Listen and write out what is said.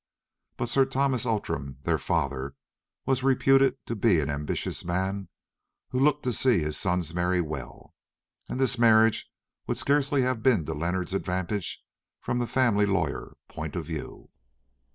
But Sir Thomas Outram, their father, was reputed to be an ambitious man who looked to see his sons marry well, and this marriage would scarcely have been to Leonard's advantage from the family lawyer point of view.